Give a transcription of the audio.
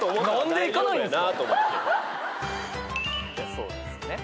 そうですね